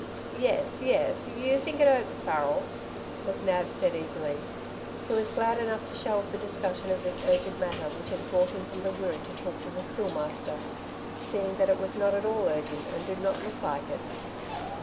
"Yes ... yes ... you think it over, Farrel," McNab said eagerly. He was glad enough to shelve discussion of this urgent matter which had brought him from the Wirree to talk to the Schoolmaster, seeing that it was not at all urgent and did not look like it.